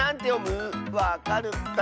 わかるかな？